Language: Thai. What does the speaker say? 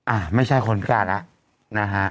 อะไม่ใช่คนพิการอะนะฮะ